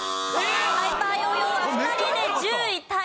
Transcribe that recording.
ハイパーヨーヨーは２人で１０位タイです。